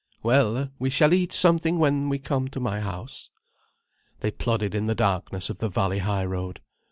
"Well, we shall eat something when we come to my house." They plodded in the darkness of the valley high road.